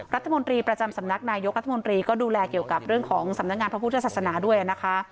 รัฐมนตรีประจำสำนักนายกรัฐมนตรีก็ดูแลเกี่ยวกับเรื่องของสำนักงานพระพุทธศาสนาด้วยนะคะ